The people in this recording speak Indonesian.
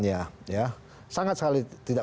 yang terjadi di